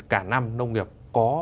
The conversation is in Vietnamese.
cả năm nông nghiệp có